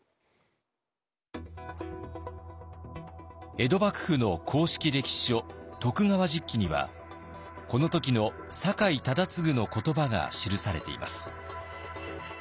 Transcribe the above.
江戸幕府の公式歴史書「徳川実紀」にはこの時の酒井忠次の言葉が記されています。